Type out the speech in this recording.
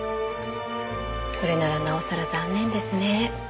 それならなおさら残念ですね。